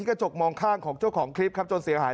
กระจกมองข้างครับ